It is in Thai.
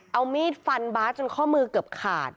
เอามีดฟันบาสจนข้อมือเกือบขาด